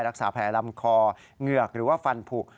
รักษาแผลลำคอเหงือกหรือว่าฟันผูก